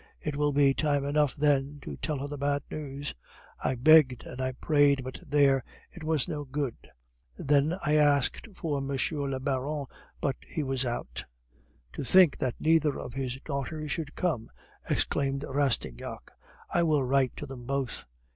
It will be time enough then to tell her bad news!' I begged and I prayed, but, there! it was no good. Then I asked for M. le Baron, but he was out." "To think that neither of his daughters should come!" exclaimed Rastignac. "I will write to them both."